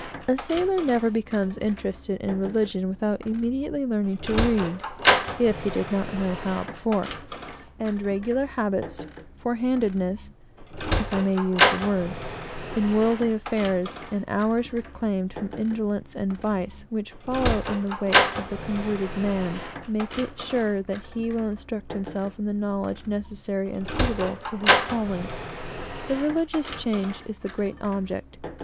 A sailor never becomes interested in religion, without immediately learning to read, if he did not know how before; and regular habits, forehandedness (if I may use the word) in worldly affairs, and hours reclaimed from indolence and vice, which follow in the wake of the converted man, make it sure that he will instruct himself in the knowledge necessary and suitable to his calling. The religious change is the great object.